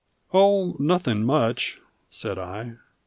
"Oh, nothing much," said I.